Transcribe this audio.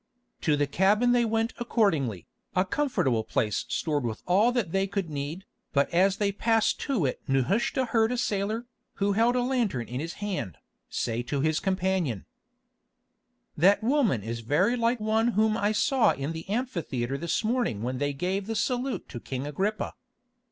To the cabin they went accordingly, a comfortable place stored with all that they could need; but as they passed to it Nehushta heard a sailor, who held a lantern in his hand, say to his companion: "That woman is very like one whom I saw in the amphitheatre this morning when they gave the salute to King Agrippa."